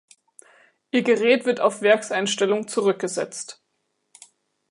Ihr Gerät wird auf Werkseinstellungen zurückgesetzt.